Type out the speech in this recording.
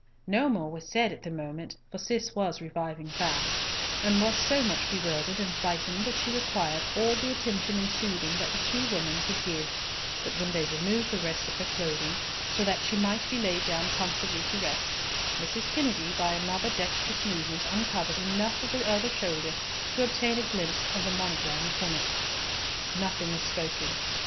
No more was said at the moment, for Cis was reviving fast, and was so much bewildered and frightened that she required all the attention and soothing that the two women could give, but when they removed the rest of her clothing, so that she might be laid down comfortably to rest, Mrs. Kennedy by another dexterous movement uncovered enough of the other shoulder to obtain a glimpse of the monogram upon it. Nothing was spoken.